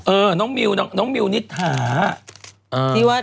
เออน้องมิวนิษฐา